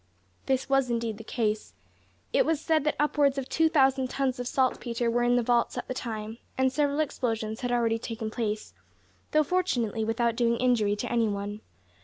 This was indeed the case. It was said that upwards of 2,000 tons of saltpetre were in the vaults at the time; and several explosions had already taken place, though fortunately, without doing injury to any one.